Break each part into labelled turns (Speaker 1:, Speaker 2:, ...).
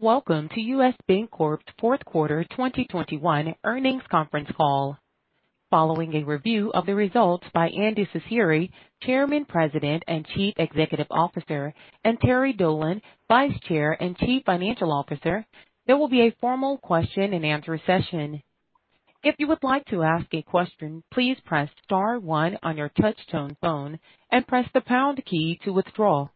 Speaker 1: Welcome to U.S. Bancorp's fourth quarter 2021 earnings conference call. Following a review of the results by Andy Cecere, Chairman, President, and Chief Executive Officer, and Terry Dolan, Vice Chair and Chief Financial Officer, there will be a formal question-and-answer session. If you would like to ask a question, please press star one on your touchtone phone and press the pound key to withdraw.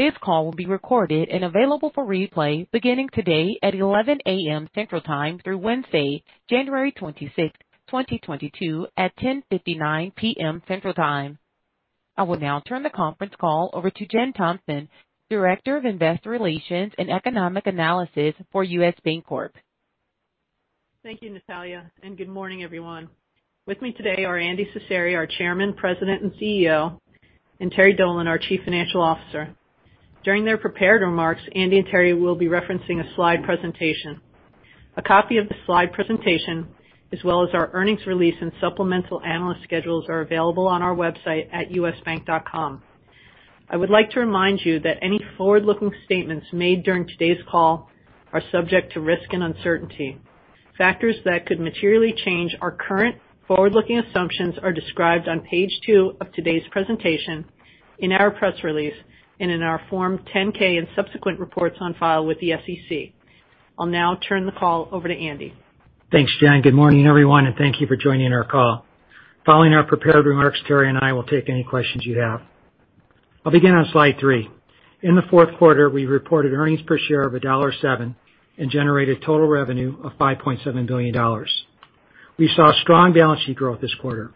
Speaker 1: This call will be recorded and available for replay beginning today at 11:00A.M. Central Time through Wednesday, January 26th, 2022 at 10:59P.M. Central Time. I will now turn the conference call over to Jen Thompson, Director of Investor Relations and Economic Analysis for U.S. Bancorp.
Speaker 2: Thank you, Natalia, and good morning, everyone. With me today are Andy Cecere, our Chairman, President, and CEO, and Terry Dolan, our Chief Financial Officer. During their prepared remarks, Andy and Terry will be referencing a slide presentation. A copy of the slide presentation, as well as our earnings release and supplemental analyst schedules are available on our website at usbank.com. I would like to remind you that any forward-looking statements made during today's call are subject to risk and uncertainty. Factors that could materially change our current forward-looking assumptions are described on page two of today's presentation, in our press release, and in our Form 10-K and subsequent reports on file with the SEC. I'll now turn the call over to Andy.
Speaker 3: Thanks, Jen. Good morning, everyone, and thank you for joining our call. Following our prepared remarks, Terry and I will take any questions you have. I'll begin on slide three. In the fourth quarter, we reported earnings per share of $1.70 and generated total revenue of $5.7 billion. We saw strong balance sheet growth this quarter,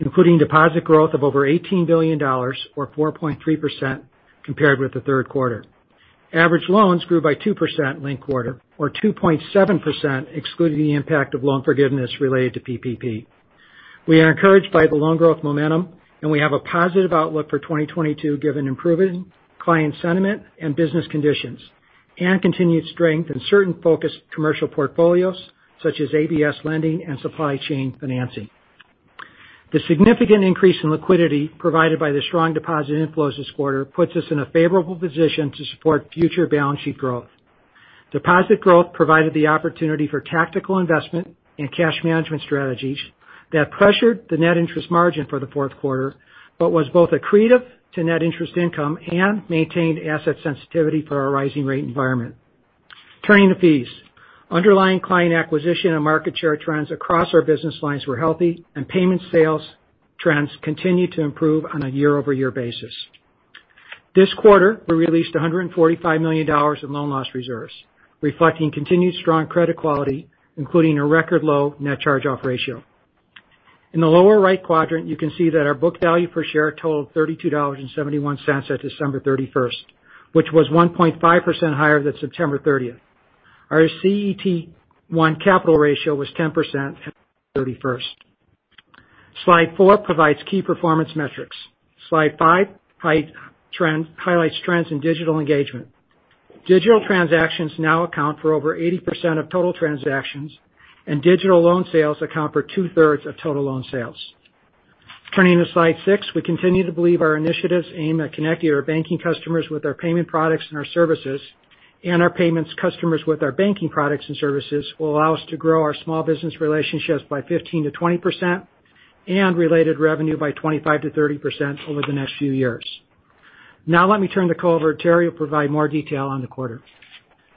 Speaker 3: including deposit growth of over $18 billion or 4.3% compared with the third quarter. Average loans grew by 2% linked quarter or 2.7%, excluding the impact of loan forgiveness related to PPP. We are encouraged by the loan growth momentum, and we have a positive outlook for 2022, given improving client sentiment and business conditions and continued strength in certain focused commercial portfolios such as ABS lending and supply chain financing. The significant increase in liquidity provided by the strong deposit inflows this quarter puts us in a favorable position to support future balance sheet growth. Deposit growth provided the opportunity for tactical investment and cash management strategies that pressured the net interest margin for the fourth quarter but was both accretive to net interest income and maintained asset sensitivity for our rising rate environment. Turning to fees. Underlying client acquisition and market share trends across our business lines were healthy and payment sales trends continued to improve on a year-over-year basis. This quarter, we released $145 million in loan loss reserves, reflecting continued strong credit quality, including a record low net charge-off ratio. In the lower right quadrant, you can see that our book value per share totaled $32.71 at December 31, which was 1.5% higher than September 30. Our CET1 capital ratio was 10% at the 31st. Slide four provides key performance metrics. Slide five highlights trends in digital engagement. Digital transactions now account for over 80% of total transactions, and digital loan sales account for 2/3 of total loan sales. Turning to slide six, we continue to believe our initiatives aimed at connecting our banking customers with our payment products and our services and our payments customers with our banking products and services will allow us to grow our small business relationships by 15%-20% and related revenue by 25%-30% over the next few years. Now let me turn the call over to Terry to provide more detail on the quarter.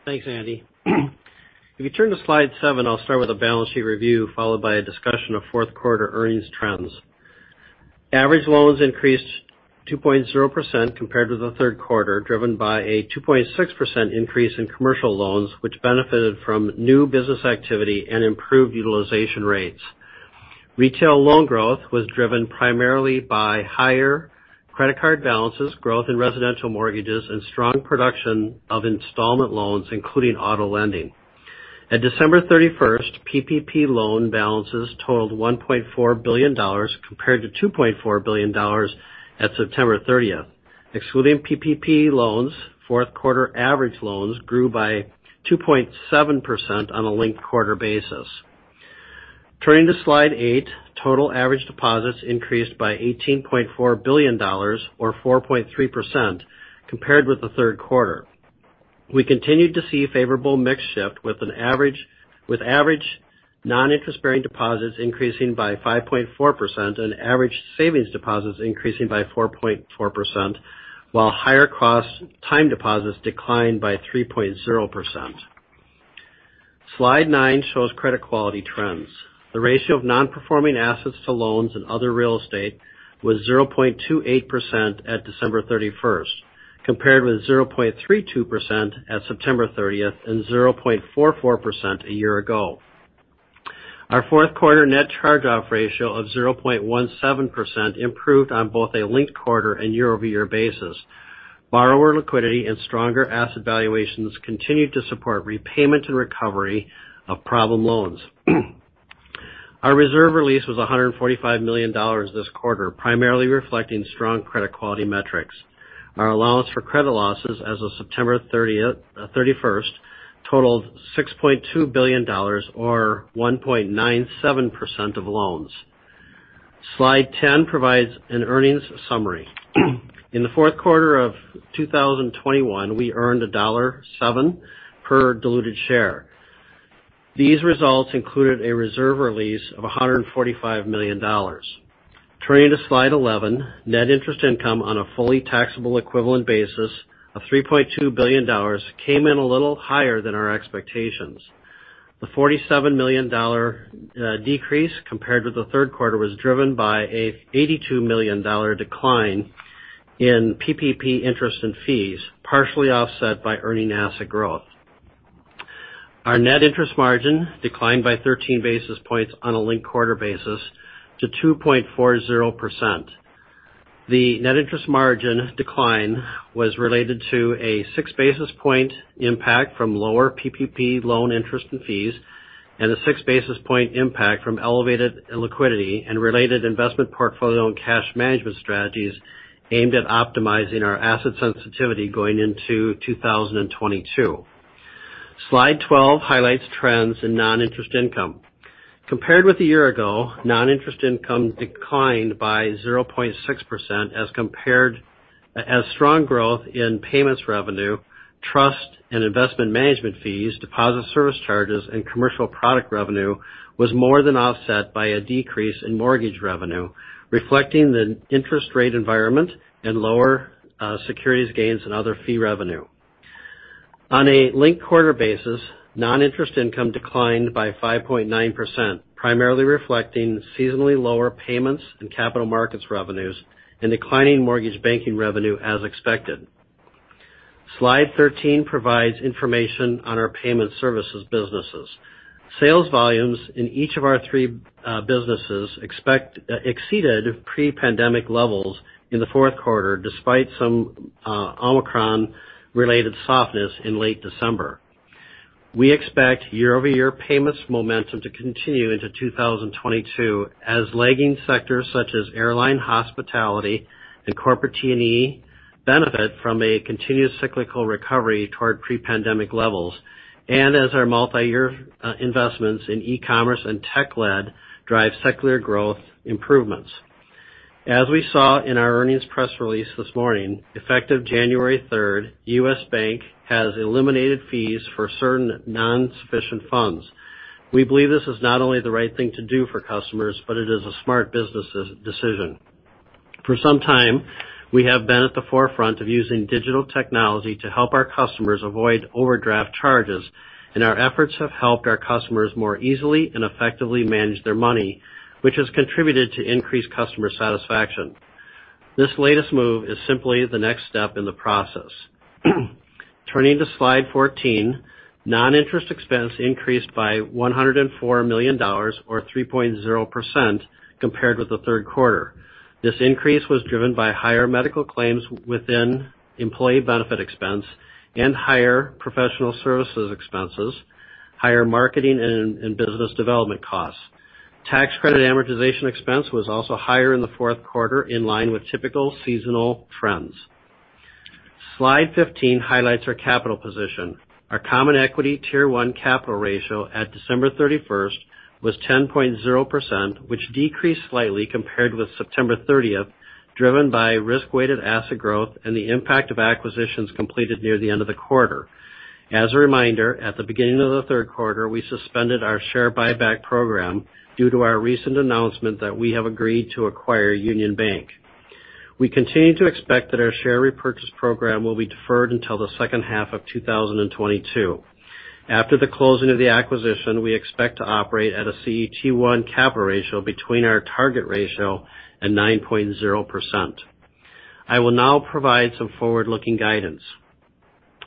Speaker 4: Thanks, Andy. If you turn to slide seven, I'll start with a balance sheet review, followed by a discussion of fourth quarter earnings trends. Average loans increased 2.0% compared to the third quarter, driven by a 2.6% increase in commercial loans, which benefited from new business activity and improved utilization rates. Retail loan growth was driven primarily by higher credit card balances, growth in residential mortgages, and strong production of installment loans, including auto lending. At December 31, PPP loan balances totaled $1.4 billion compared to $2.4 billion at September 30. Excluding PPP loans, fourth quarter average loans grew by 2.7% on a linked quarter basis. Turning to slide eight, total average deposits increased by $18.4 billion or 4.3% compared with the third quarter. We continued to see a favorable mix shift with average non-interest-bearing deposits increasing by 5.4% and average savings deposits increasing by 4.4%, while higher cost time deposits declined by 3.0%. Slide nine shows credit quality trends. The ratio of non-performing assets to loans and other real estate was 0.28% at December 31, compared with 0.32% at September 30 and 0.44% a year ago. Our fourth quarter net charge-off ratio of 0.17% improved on both a linked quarter and year-over-year basis. Borrower liquidity and stronger asset valuations continued to support repayment and recovery of problem loans. Our reserve release was $145 million this quarter, primarily reflecting strong credit quality metrics. Our allowance for credit losses as of September 30 totaled $6.2 billion or 1.97% of loans. Slide 10 provides an earnings summary. In the fourth quarter of 2021, we earned $7 per diluted share. These results included a reserve release of $145 million. Turning to slide 11. Net interest income on a fully taxable equivalent basis of $3.2 billion came in a little higher than our expectations. The $47 million decrease compared with the third quarter was driven by a $82 million decline in PPP interest and fees, partially offset by earning asset growth. Our net interest margin declined by 13 basis points on a linked quarter basis to 2.40%. The net interest margin decline was related to a six basis points impact from lower PPP loan interest and fees, and a six basis points impact from elevated liquidity and related investment portfolio and cash management strategies aimed at optimizing our asset sensitivity going into 2022. Slide 12 highlights trends in non-interest income. Compared with a year ago, non-interest income declined by 0.6% as strong growth in payments revenue, trust and investment management fees, deposit service charges, and commercial product revenue was more than offset by a decrease in mortgage revenue, reflecting the interest rate environment and lower securities gains and other fee revenue. On a linked quarter basis, non-interest income declined by 5.9%, primarily reflecting seasonally lower payments and capital markets revenues and declining mortgage banking revenue as expected. Slide 13 provides information on our payment services businesses. Sales volumes in each of our three businesses exceeded pre-pandemic levels in the fourth quarter, despite some Omicron-related softness in late December. We expect year-over-year payments momentum to continue into 2022, as lagging sectors such as airline hospitality and corporate T&E benefit from a continuous cyclical recovery toward pre-pandemic levels, and as our multi-year investments in e-commerce and tech lead drive secular growth improvements. As we saw in our earnings press release this morning, effective January 3, U.S. Bank has eliminated fees for certain non-sufficient funds. We believe this is not only the right thing to do for customers, but it is a smart business decision. For some time, we have been at the forefront of using digital technology to help our customers avoid overdraft charges, and our efforts have helped our customers more easily and effectively manage their money, which has contributed to increased customer satisfaction. This latest move is simply the next step in the process. Turning to slide 14. Non-interest expense increased by $104 million or 3.0% compared with the third quarter. This increase was driven by higher medical claims within employee benefit expense and higher professional services expenses, higher marketing and business development costs. Tax credit amortization expense was also higher in the fourth quarter, in line with typical seasonal trends. Slide 15 highlights our capital position. Our common equity tier 1 capital ratio at December 31 was 10.0%, which decreased slightly compared with September 30, driven by risk-weighted asset growth and the impact of acquisitions completed near the end of the quarter. As a reminder, at the beginning of the third quarter, we suspended our share buyback program due to our recent announcement that we have agreed to acquire Union Bank. We continue to expect that our share repurchase program will be deferred until the second half of 2022. After the closing of the acquisition, we expect to operate at a CET1 capital ratio between our target ratio and 9.0%. I will now provide some forward-looking guidance.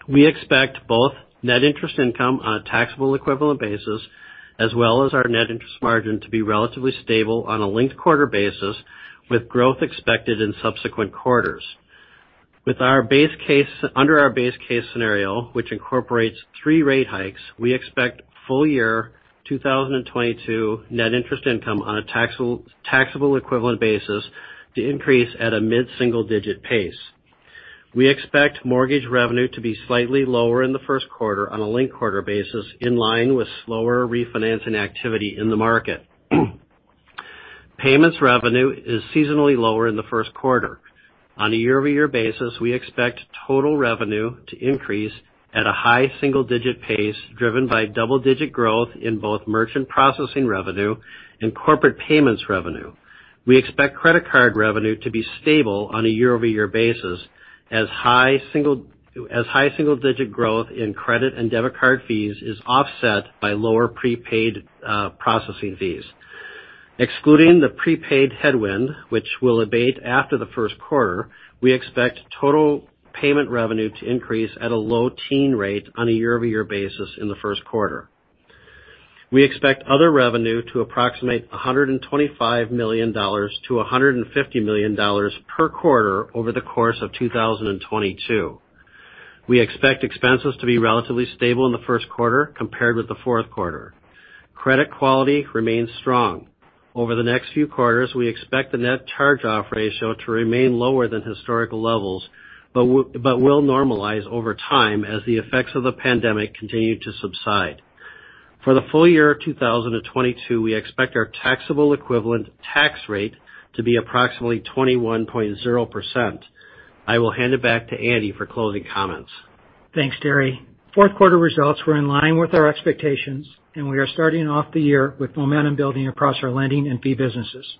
Speaker 4: We expect both net interest income on a taxable equivalent basis, as well as our net interest margin to be relatively stable on a linked quarter basis, with growth expected in subsequent quarters. Under our base case scenario, which incorporates three rate hikes, we expect full year 2022 net interest income on a taxable equivalent basis to increase at a mid-single digit pace. We expect mortgage revenue to be slightly lower in the first quarter on a linked quarter basis, in line with slower refinancing activity in the market. Payments revenue is seasonally lower in the first quarter. On a year-over-year basis, we expect total revenue to increase at a high single digit pace driven by double-digit growth in both merchant processing revenue and corporate payments revenue. We expect credit card revenue to be stable on a year-over-year basis as high single digit growth in credit and debit card fees is offset by lower prepaid processing fees. Excluding the prepaid headwind, which will abate after the first quarter, we expect total payment revenue to increase at a low-teen rate on a year-over-year basis in the first quarter. We expect other revenue to approximate $125 million-$150 million per quarter over the course of 2022. We expect expenses to be relatively stable in the first quarter compared with the fourth quarter. Credit quality remains strong. Over the next few quarters, we expect the net charge-off ratio to remain lower than historical levels, but will normalize over time as the effects of the pandemic continue to subside. For the full year of 2022, we expect our taxable equivalent tax rate to be approximately 21.0%. I will hand it back to Andy for closing comments.
Speaker 3: Thanks, Terry. Fourth quarter results were in line with our expectations, and we are starting off the year with momentum building across our lending and fee businesses.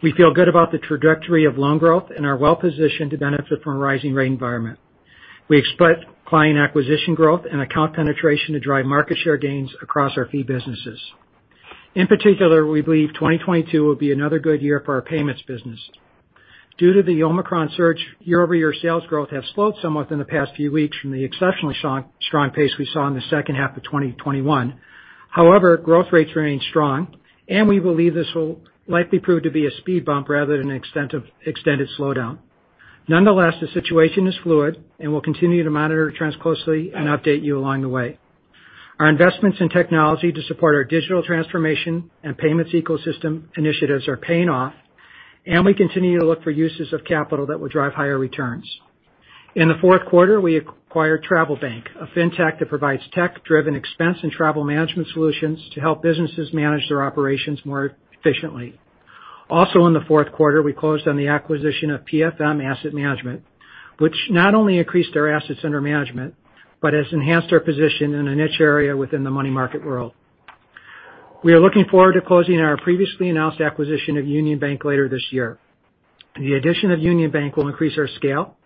Speaker 3: We feel good about the trajectory of loan growth and are well positioned to benefit from a rising rate environment. We expect client acquisition growth and account penetration to drive market share gains across our fee businesses. In particular, we believe 2022 will be another good year for our payments business. Due to the Omicron surge, year-over-year sales growth has slowed somewhat in the past few weeks from the exceptionally strong pace we saw in the second half of 2021. However, growth rates remain strong, and we believe this will likely prove to be a speed bump rather than an extended slowdown. Nonetheless, the situation is fluid, and we'll continue to monitor trends closely and update you along the way. Our investments in technology to support our digital transformation and payments ecosystem initiatives are paying off, and we continue to look for uses of capital that will drive higher returns. In the fourth quarter, we acquired TravelBank, a fintech that provides tech-driven expense and travel management solutions to help businesses manage their operations more efficiently. Also, in the fourth quarter, we closed on the acquisition of PFM Asset Management, which not only increased our assets under management but has enhanced our position in a niche area within the money market world. We are looking forward to closing our previously announced acquisition of Union Bank later this year. The addition of Union Bank will increase our scale,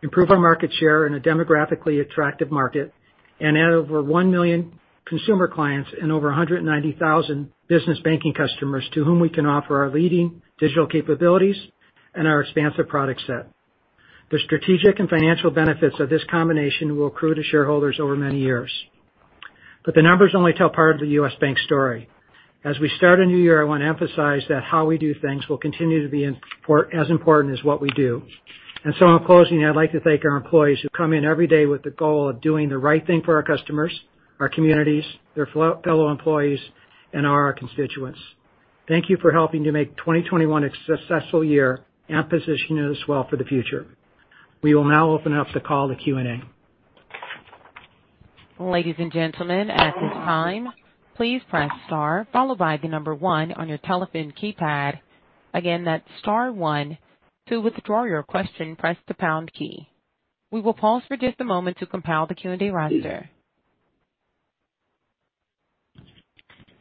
Speaker 3: improve our market share in a demographically attractive market, and add over one million consumer clients and over 190,000 business banking customers to whom we can offer our leading digital capabilities and our expansive product set. The strategic and financial benefits of this combination will accrue to shareholders over many years. The numbers only tell part of the U.S. Bank story. As we start a new year, I want to emphasize that how we do things will continue to be as important as what we do. In closing, I'd like to thank our employees who come in every day with the goal of doing the right thing for our customers, our communities, their fellow employees, and our constituents. Thank you for helping to make 2021 a successful year and positioning us well for the future. We will now open up the call to Q&A.
Speaker 1: Ladies and gentlemen, at this time, please press star followed by the number one on your telephone keypad. Again, that's star one. To withdraw your question, press the pound key. We will pause for just a moment to compile the Q&A roster.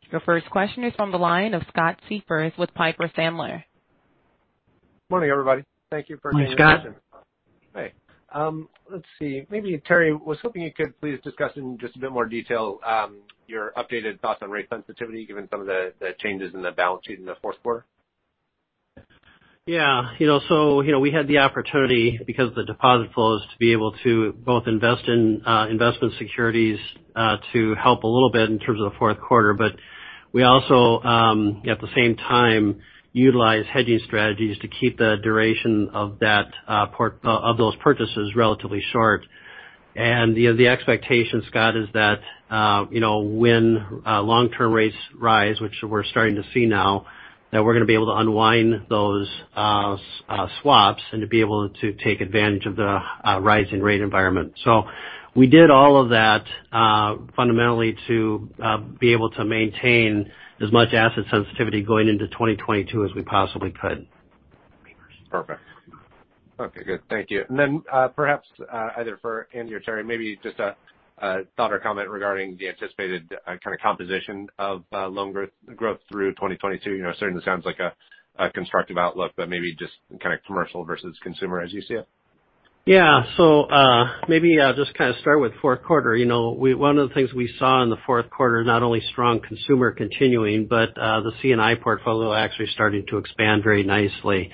Speaker 1: Your first question is on the line of Scott Siefers with Piper Sandler.
Speaker 5: Morning, everybody. Thank you for taking the question.
Speaker 3: Morning, Scott.
Speaker 4: Hey.
Speaker 5: Let's see. Maybe, Terry, I was hoping you could please discuss in just a bit more detail your updated thoughts on rate sensitivity, given some of the changes in the balance sheet in the fourth quarter?
Speaker 4: Yeah. You know, we had the opportunity because the deposit flows to be able to both invest in investment securities to help a little bit in terms of the fourth quarter. We also at the same time utilize hedging strategies to keep the duration of that of those purchases relatively short. You know the expectation, Scott, is that you know when long-term rates rise, which we're starting to see now, that we're gonna be able to unwind those swaps and to be able to take advantage of the rising rate environment. We did all of that fundamentally to be able to maintain as much asset sensitivity going into 2022 as we possibly could.
Speaker 5: Perfect. Okay, good. Thank you. Perhaps either for Andy or Terry, maybe just a thought or comment regarding the anticipated kind of composition of loan growth through 2022. You know, certainly sounds like a constructive outlook, but maybe just kind of commercial versus consumer as you see it.
Speaker 4: Yeah. Maybe I'll just kind of start with fourth quarter. You know, one of the things we saw in the fourth quarter, not only strong consumer continuing, but the C&I portfolio actually starting to expand very nicely.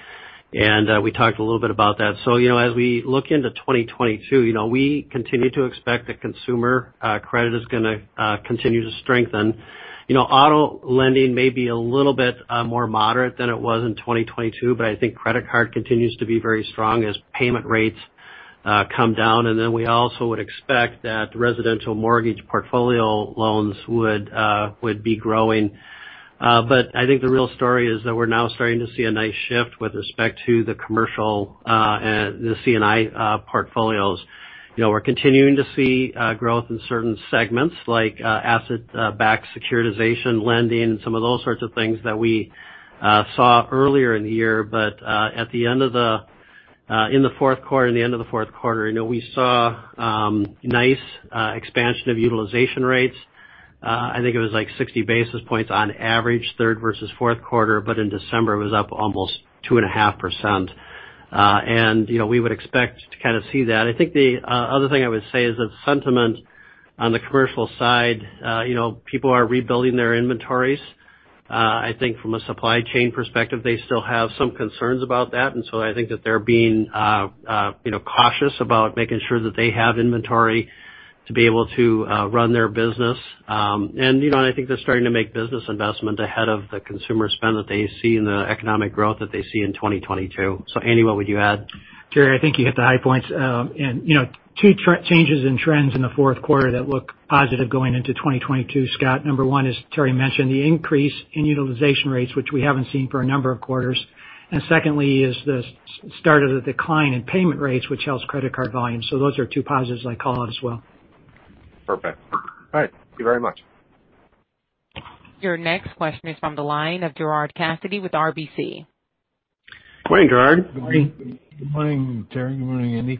Speaker 4: We talked a little bit about that. You know, as we look into 2022, you know, we continue to expect that consumer credit is gonna continue to strengthen. You know, auto lending may be a little bit more moderate than it was in 2022, but I think credit card continues to be very strong as payment rates come down. Then we also would expect that the residential mortgage portfolio loans would be growing. I think the real story is that we're now starting to see a nice shift with respect to the commercial, the C&I portfolios. You know, we're continuing to see growth in certain segments like asset-backed securitization lending, some of those sorts of things that we saw earlier in the year. At the end of the fourth quarter, you know, we saw nice expansion of utilization rates. I think it was like 60 basis points on average, third versus fourth quarter, but in December, it was up almost 2.5%. You know, we would expect to kind of see that. I think the other thing I would say is that sentiment on the commercial side, you know, people are rebuilding their inventories. I think from a supply chain perspective, they still have some concerns about that. I think that they're being, you know, cautious about making sure that they have inventory to be able to run their business. I think they're starting to make business investment ahead of the consumer spend that they see and the economic growth that they see in 2022. Andy, what would you add?
Speaker 3: Terry, I think you hit the high points. You know, two changes in trends in the fourth quarter that look positive going into 2022, Scott. Number one, as Terry mentioned, the increase in utilization rates, which we haven't seen for a number of quarters. Secondly is the start of the decline in payment rates, which helps credit card volume. Those are two positives I call out as well.
Speaker 5: Perfect. All right. Thank you very much.
Speaker 1: Your next question is from the line of Gerard Cassidy with RBC.
Speaker 4: Good morning, Gerard.
Speaker 3: Good morning.
Speaker 6: Good morning, Terry. Good morning, Andy.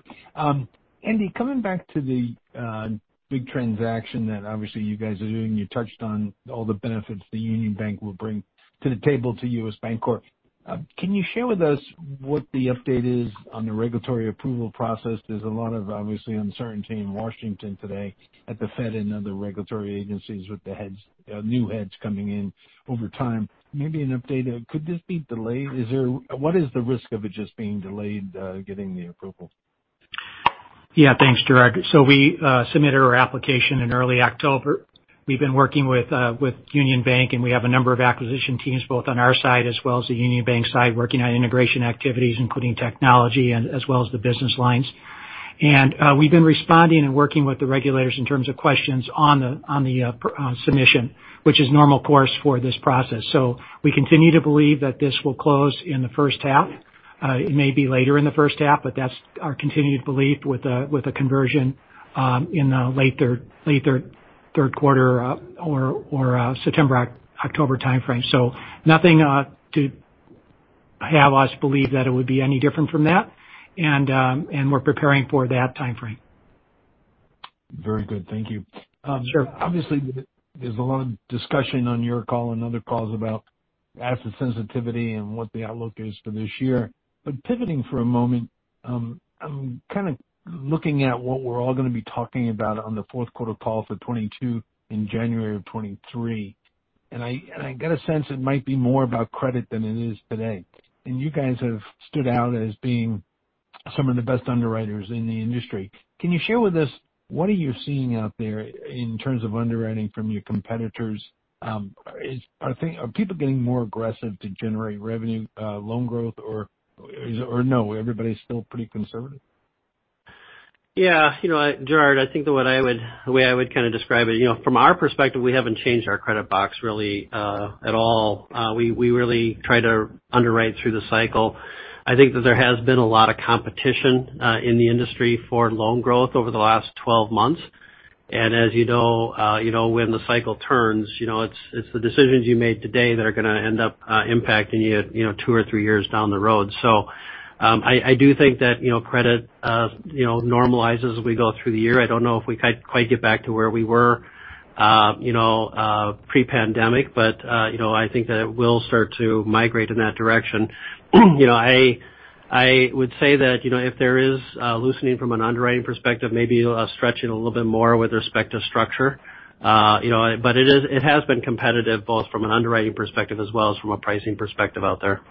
Speaker 6: Andy, coming back to the big transaction that obviously you guys are doing, you touched on all the benefits that Union Bank will bring to the table to you as Bancorp. Can you share with us what the update is on the regulatory approval process? There's a lot of obvious uncertainty in Washington today at the Fed and other regulatory agencies with the heads, new heads coming in over time. Maybe an update of could this be delayed? What is the risk of it just being delayed, getting the approval?
Speaker 3: Yeah. Thanks, Gerard. We submitted our application in early October. We've been working with Union Bank, and we have a number of acquisition teams both on our side as well as the Union Bank side working on integration activities, including technology and as well as the business lines. We've been responding and working with the regulators in terms of questions on the submission, which is normal course for this process. We continue to believe that this will close in the first half. It may be later in the first half, but that's our continued belief with a conversion in the late third quarter or September, October timeframe. Nothing to have us believe that it would be any different from that. We're preparing for that timeframe.
Speaker 6: Very good. Thank you.
Speaker 3: Sure.
Speaker 6: Obviously, there's a lot of discussion on your call and other calls about asset sensitivity and what the outlook is for this year. Pivoting for a moment, I'm kind of looking at what we're all gonna be talking about on the fourth quarter call for 2022 in January of 2023. I get a sense it might be more about credit than it is today. You guys have stood out as being some of the best underwriters in the industry. Can you share with us what are you seeing out there in terms of underwriting from your competitors? Are people getting more aggressive to generate revenue, loan growth? Or no, everybody's still pretty conservative?
Speaker 4: Yeah. You know, Gerard, I think that the way I would kind of describe it, you know, from our perspective, we haven't changed our credit box really at all. We really try to underwrite through the cycle. I think that there has been a lot of competition in the industry for loan growth over the last 12 months. As you know, you know, when the cycle turns, you know, it's the decisions you made today that are gonna end up impacting you know, two or three years down the road. I do think that, you know, credit normalizes as we go through the year. I don't know if we quite get back to where we were, you know, pre-pandemic, but, you know, I think that it will start to migrate in that direction. You know, I would say that, you know, if there is loosening from an underwriting perspective, maybe stretching a little bit more with respect to structure. You know, but it has been competitive both from an underwriting perspective as well as from a pricing perspective out there.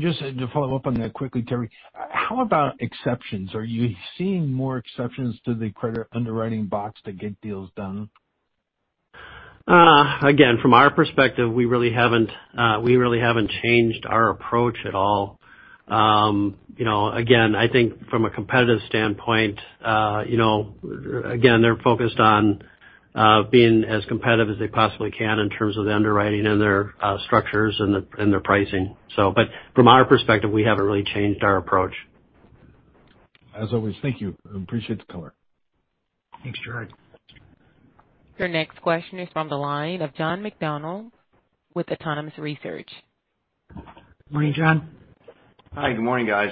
Speaker 6: Just to follow up on that quickly, Terry. How about exceptions? Are you seeing more exceptions to the credit underwriting box to get deals done?
Speaker 4: Again, from our perspective, we really haven't changed our approach at all. You know, again, I think from a competitive standpoint, you know, again, they're focused on being as competitive as they possibly can in terms of underwriting and their structures and their pricing. From our perspective, we haven't really changed our approach.
Speaker 6: As always, thank you. Appreciate the color.
Speaker 3: Thanks, Gerard.
Speaker 1: Your next question is from the line of John McDonald with Autonomous Research.
Speaker 3: Morning, John.
Speaker 7: Hi. Good morning, guys.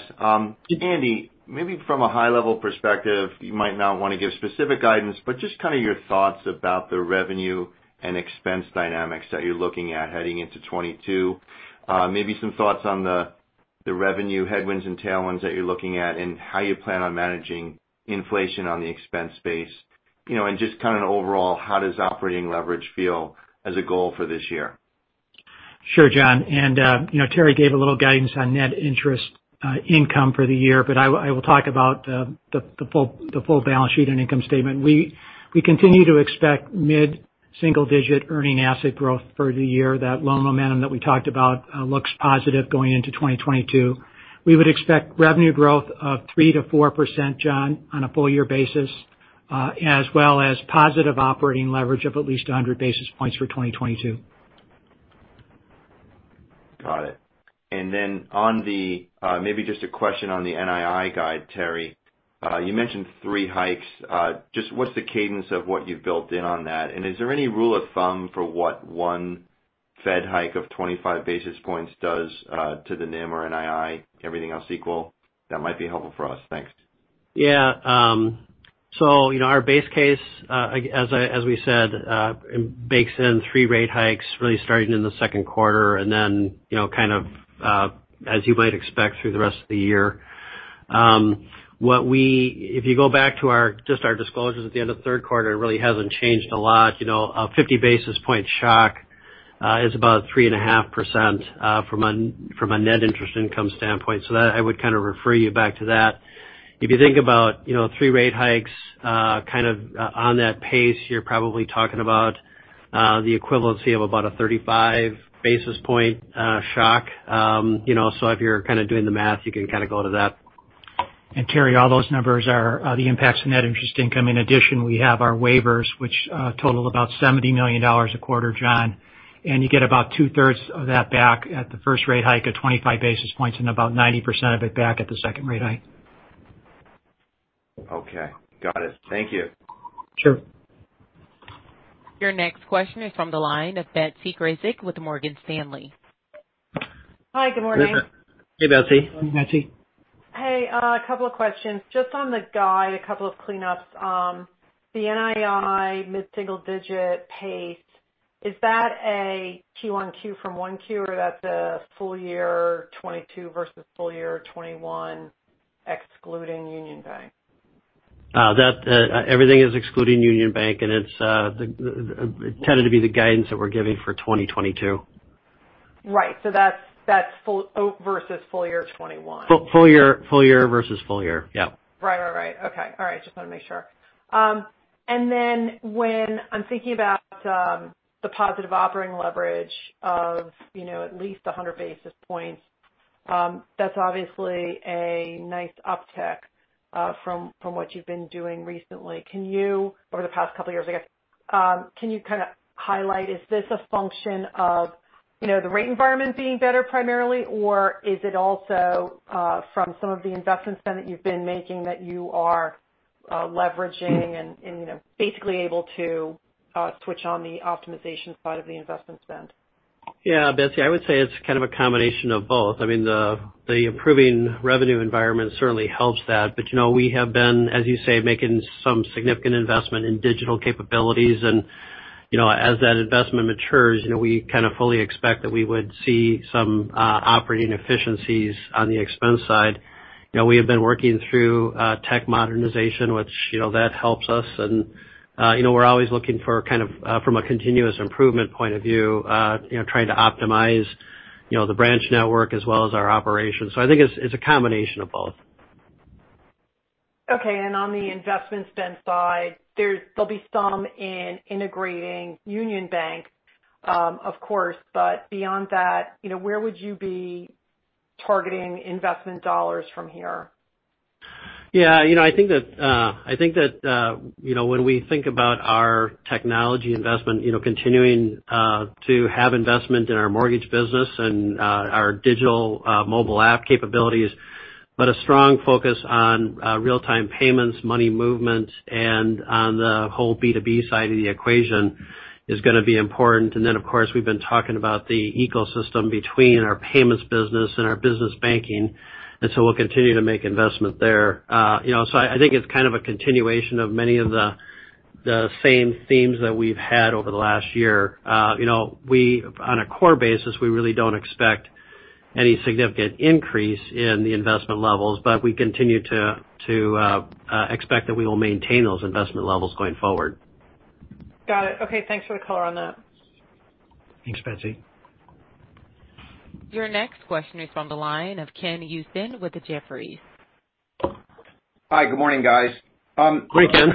Speaker 7: Andy, maybe from a high level perspective, you might not wanna give specific guidance, but just kind of your thoughts about the revenue and expense dynamics that you're looking at heading into 2022. Maybe some thoughts on the revenue headwinds and tailwinds that you're looking at and how you plan on managing inflation on the expense base. You know, just kind of overall, how does operating leverage feel as a goal for this year?
Speaker 3: Sure, John. You know, Terry gave a little guidance on net interest income for the year, but I will talk about the full balance sheet and income statement. We continue to expect mid-single digit earning asset growth for the year. That loan momentum that we talked about looks positive going into 2022. We would expect revenue growth of 3%-4%, John, on a full year basis, as well as positive operating leverage of at least 100 basis points for 2022.
Speaker 7: Got it. On the, maybe just a question on the NII guide, Terry. You mentioned three hikes. Just what's the cadence of what you've built in on that? Is there any rule of thumb for what one Fed hike of 25 basis points does to the NIM or NII, everything else equal? That might be helpful for us. Thanks.
Speaker 4: Yeah. So, you know, our base case, as we said, bakes in three rate hikes really starting in the second quarter and then, you know, kind of, as you might expect through the rest of the year. If you go back to our, just our disclosures at the end of third quarter, it really hasn't changed a lot. You know, a 50 basis points shock is about 3.5%, from a net interest income standpoint. So that, I would kind of refer you back to that. If you think about, you know, three rate hikes, kind of on that pace, you're probably talking about the equivalency of about a 35 basis points shock. You know, so if you're kind of doing the math, you can kind of go to that.
Speaker 3: Terry, all those numbers are the impacts of net interest income. In addition, we have our waivers, which total about $70 million a quarter, John. You get about two-thirds of that back at the first rate hike at 25 basis points and about 90% of it back at the second rate hike.
Speaker 7: Okay. Got it. Thank you.
Speaker 4: Sure.
Speaker 1: Your next question is from the line of Betsy Graseck with Morgan Stanley.
Speaker 8: Hi, good morning.
Speaker 4: Hey, Betsy.
Speaker 3: Morning, Betsy.
Speaker 8: Hey, a couple of questions. Just on the guide, a couple of cleanups. The NII mid-single digit pace, is that a Q1Q from 1Q or that's a full year 2022 versus full year 2021 excluding Union Bank?
Speaker 4: Everything is excluding Union Bank, and it's the guidance that we're giving for 2022.
Speaker 8: Right. That's full versus full year 2021.
Speaker 4: Full year versus full year. Yeah.
Speaker 8: Right. Okay. All right. Just want to make sure. When I'm thinking about the positive operating leverage of, you know, at least 100 basis points, that's obviously a nice uptick from what you've been doing recently over the past couple of years, I guess. Can you kind of highlight, is this a function of, you know, the rate environment being better primarily, or is it also from some of the investment spend that you've been making that you are leveraging and, you know, basically able to switch on the optimization side of the investment spend?
Speaker 4: Yeah, Betsy, I would say it's kind of a combination of both. I mean, the improving revenue environment certainly helps that. You know, we have been, as you say, making some significant investment in digital capabilities. You know, as that investment matures, you know, we kind of fully expect that we would see some operating efficiencies on the expense side. You know, we have been working through tech modernization, which, you know, that helps us. You know, we're always looking for kind of from a continuous improvement point of view, you know, trying to optimize, you know, the branch network as well as our operations. I think it's a combination of both.
Speaker 8: Okay. On the investment spend side, there'll be some in integrating Union Bank, of course. But beyond that, you know, where would you be targeting investment dollars from here?
Speaker 4: You know, I think that you know, when we think about our technology investment, you know, continuing to have investment in our mortgage business and our digital mobile app capabilities, but a strong focus on real-time payments, money movement, and on the whole B2B side of the equation is gonna be important. Then, of course, we've been talking about the ecosystem between our payments business and our business banking, and so we'll continue to make investment there. You know, I think it's kind of a continuation of many of the same themes that we've had over the last year. You know, we, on a core basis, we really don't expect any significant increase in the investment levels, but we continue to expect that we will maintain those investment levels going forward.
Speaker 8: Got it. Okay, thanks for the color on that.
Speaker 3: Thanks, Betsy.
Speaker 1: Your next question is from the line of Ken Usdin with Jefferies.
Speaker 9: Hi, good morning, guys.
Speaker 4: Morning, Ken.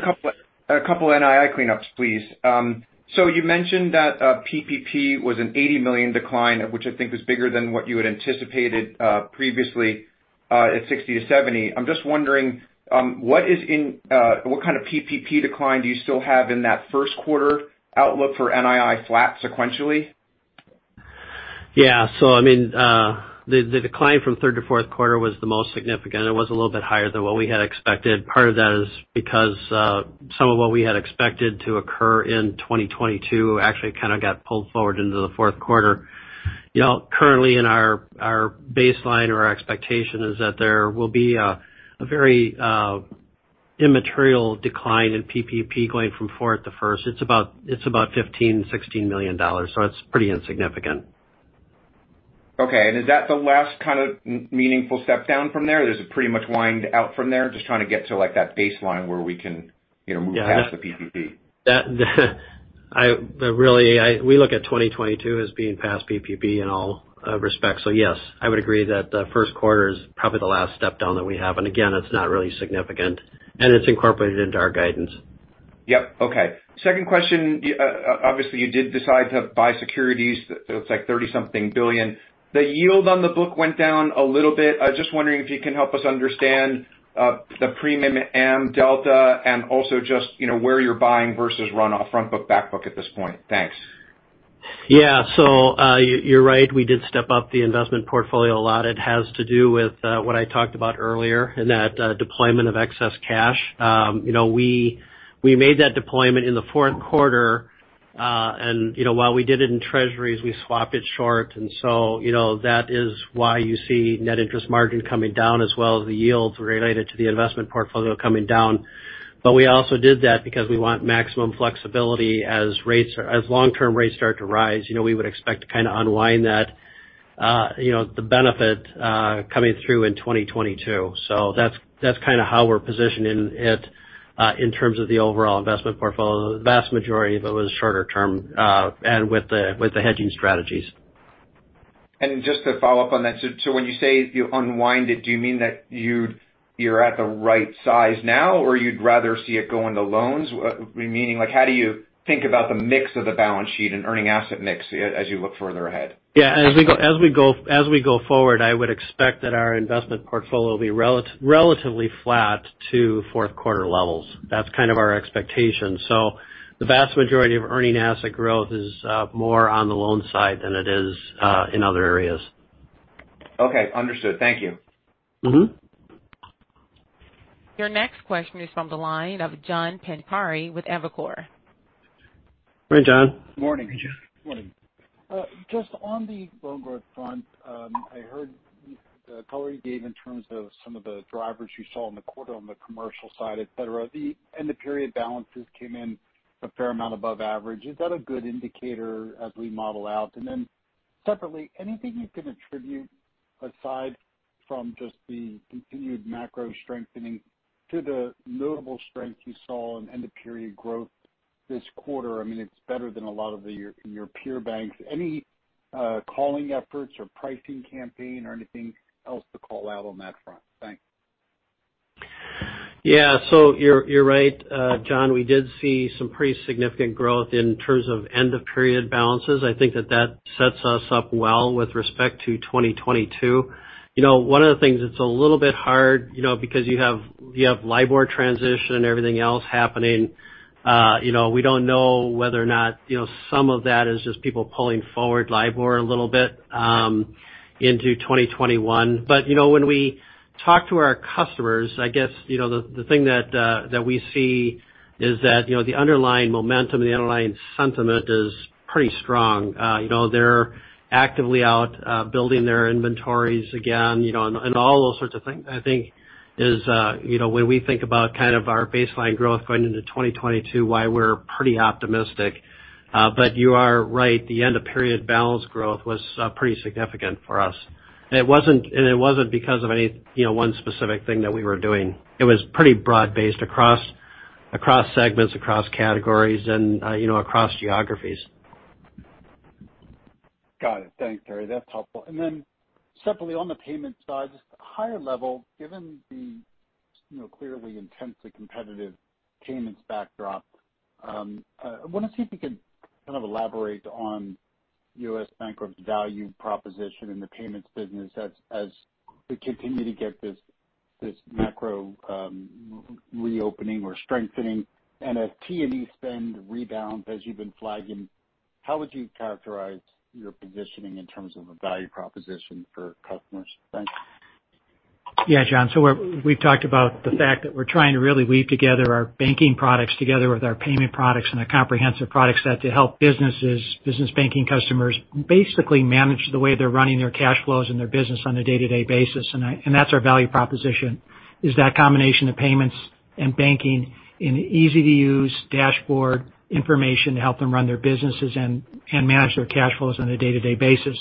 Speaker 9: A couple NII cleanups, please. You mentioned that PPP was an $80 million decline, which I think was bigger than what you had anticipated previously at $60 million-$70 million. I'm just wondering what kind of PPP decline do you still have in that first quarter outlook for NII flat sequentially?
Speaker 4: Yeah. I mean, the decline from third to fourth quarter was the most significant. It was a little bit higher than what we had expected. Part of that is because some of what we had expected to occur in 2022 actually kind of got pulled forward into the fourth quarter. You know, currently in our baseline or our expectation is that there will be a very immaterial decline in PPP going from fourth to first. It's about $15 million-$16 million, so it's pretty insignificant.
Speaker 9: Okay. Is that the last kind of meaningful step down from there? Is it pretty much wind down from there? Just trying to get to, like, that baseline where we can, you know, move past the PPP.
Speaker 4: We look at 2022 as being past PPP in all respects. Yes, I would agree that the first quarter is probably the last step down that we have. Again, it's not really significant, and it's incorporated into our guidance.
Speaker 9: Yep. Okay. Second question. You obviously did decide to buy securities. It's like $30-something billion. The yield on the book went down a little bit. I was just wondering if you can help us understand the prepayment and delta and also just, you know, where you're buying versus runoff, front book, back book at this point. Thanks.
Speaker 4: Yeah. You're right. We did step up the investment portfolio a lot. It has to do with what I talked about earlier in that deployment of excess cash. You know, we made that deployment in the fourth quarter. You know, while we did it in treasuries, we swapped it short. You know, that is why you see net interest margin coming down as well as the yields related to the investment portfolio coming down. But we also did that because we want maximum flexibility as long-term rates start to rise. You know, we would expect to kind of unwind that, you know, the benefit coming through in 2022. That's kind of how we're positioning it in terms of the overall investment portfolio. The vast majority of it was shorter term, and with the hedging strategies.
Speaker 9: Just to follow up on that. So when you say you unwind it, do you mean that you're at the right size now, or you'd rather see it go into loans? Meaning like, how do you think about the mix of the balance sheet and earning asset mix as you look further ahead?
Speaker 4: Yeah. As we go forward, I would expect that our investment portfolio will be relatively flat to fourth quarter levels. That's kind of our expectation. The vast majority of earning asset growth is more on the loan side than it is in other areas.
Speaker 9: Okay. Understood. Thank you.
Speaker 4: Mm-hmm.
Speaker 1: Your next question is from the line of John Pancari with Evercore.
Speaker 3: Hi, John.
Speaker 10: Morning.
Speaker 4: Hey, John.
Speaker 10: Morning. Just on the loan growth front, I heard the color you gave in terms of some of the drivers you saw in the quarter on the commercial side, et cetera. The end-of-period balances came in a fair amount above average. Is that a good indicator as we model out? Separately, anything you can attribute aside from just the continued macro strengthening to the notable strength you saw in end-of-period growth this quarter? I mean, it's better than a lot of your peer banks. Any calling efforts or pricing campaign or anything else to call out on that front? Thanks.
Speaker 4: Yeah. You're right, John, we did see some pretty significant growth in terms of end-of-period balances. I think that sets us up well with respect to 2022. You know, one of the things that's a little bit hard, you know, because you have LIBOR transition and everything else happening, you know, we don't know whether or not, you know, some of that is just people pulling forward LIBOR a little bit into 2021. You know, when we talk to our customers, I guess, you know, the thing that we see is that, you know, the underlying momentum, the underlying sentiment is pretty strong. You know, they're actively out building their inventories again, you know, and all those sorts of things, I think is you know, when we think about kind of our baseline growth going into 2022, why we're pretty optimistic. You are right, the end-of-period balance growth was pretty significant for us. It wasn't because of any you know, one specific thing that we were doing. It was pretty broad-based across segments, across categories and you know, across geographies.
Speaker 10: Got it. Thanks, Terry. That's helpful. Separately on the payment side, just higher level, given the, you know, clearly intensely competitive payments backdrop, I wanna see if you can kind of elaborate on U.S. Bancorp's value proposition in the payments business as we continue to get this macro reopening or strengthening. As T&E spend rebounds as you've been flagging, how would you characterize your positioning in terms of a value proposition for customers? Thanks.
Speaker 3: Yeah, John. We've talked about the fact that we're trying to really weave together our banking products with our payment products and a comprehensive product set to help businesses, business banking customers basically manage the way they're running their cash flows and their business on a day-to-day basis. That's our value proposition is that combination of payments and banking in easy-to-use dashboard information to help them run their businesses and manage their cash flows on a day-to-day basis.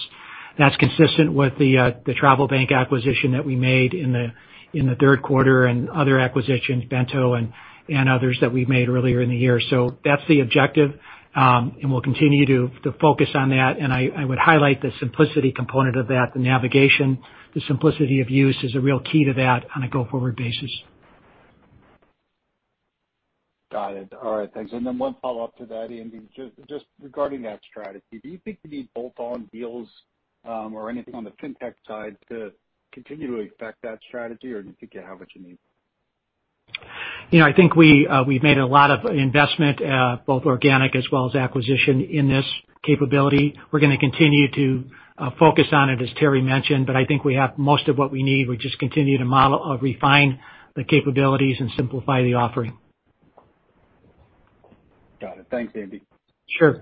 Speaker 3: That's consistent with the TravelBank acquisition that we made in the third quarter and other acquisitions, Bento and others that we made earlier in the year. That's the objective. We'll continue to focus on that. I would highlight the simplicity component of that, the navigation. The simplicity of use is a real key to that on a go-forward basis.
Speaker 10: Got it. All right. Thanks. One follow-up to that, Andy, just regarding that strategy. Do you think you need bolt-on deals, or anything on the fintech side to continue to effect that strategy or do you think you have what you need?
Speaker 3: You know, I think we have made a lot of investment both organic as well as acquisition in this capability. We're gonna continue to focus on it, as Terry mentioned, but I think we have most of what we need. We just continue to model or refine the capabilities and simplify the offering.
Speaker 10: Got it. Thanks, Andy.
Speaker 3: Sure.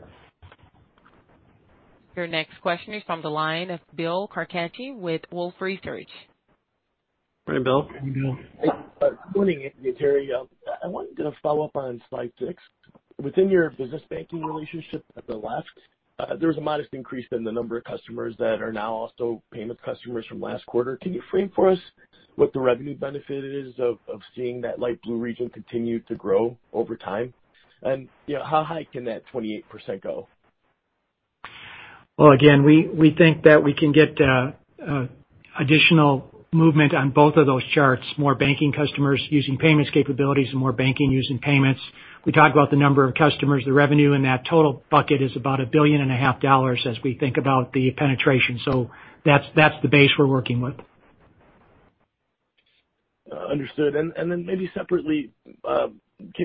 Speaker 1: Your next question is from the line of Bill Carcache with Wolfe Research.
Speaker 4: Morning, Bill.
Speaker 3: Morning, Bill.
Speaker 11: Good morning, Andy and Terry. I wanted to follow up on slide six. Within your business banking relationship at the left, there was a modest increase in the number of customers that are now also payments customers from last quarter. Can you frame for us what the revenue benefit is of seeing that light blue region continue to grow over time? You know, how high can that 28% go?
Speaker 3: Well, again, we think that we can get additional movement on both of those charts, more banking customers using payments capabilities and more banking using payments. We talked about the number of customers. The revenue in that total bucket is about $1.5 billion as we think about the penetration. That's the base we're working with.
Speaker 11: Understood. Then maybe separately,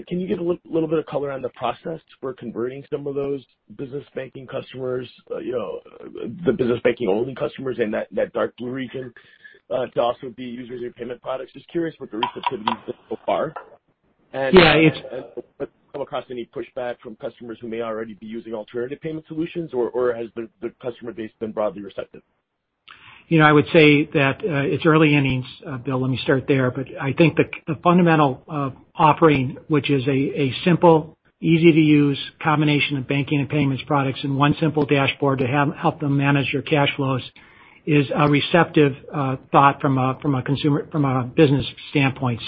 Speaker 11: can you give a little bit of color on the process for converting some of those business banking customers, you know, the business banking only customers in that dark blue region, to also be users of your payment products? Just curious what the receptivity is so far.
Speaker 3: Yeah, it's-
Speaker 11: Have you come across any pushback from customers who may already be using alternative payment solutions, or has the customer base been broadly receptive?
Speaker 3: You know, I would say that it's early innings, Bill, let me start there. I think the fundamental offering, which is a simple, easy-to-use combination of banking and payments products in one simple dashboard to help them manage their cash flows is a receptive thought from a business standpoint.